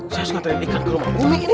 saya sudah teriak ikan ke rumah umi ini